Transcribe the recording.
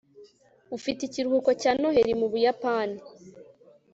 ufite ikiruhuko cya noheri mu buyapani